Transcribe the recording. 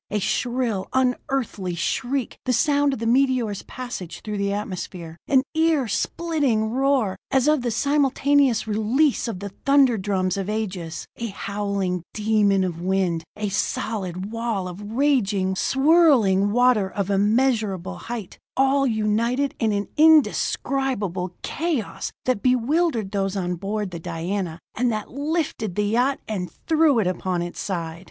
A shrill, unearthly shriek the sound of the meteor's passage through the atmosphere; an ear splitting roar, as of the simultaneous release of the thunder drums of ages; a howling demon of wind; a solid wall of raging, swirling water of immeasurable height all united in an indescribable chaos that bewildered those on board the Diana, and that lifted the yacht and threw it upon its side!